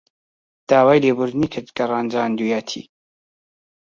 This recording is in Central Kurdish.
داوای لێبوردنی کرد کە ڕەنجاندوویەتی.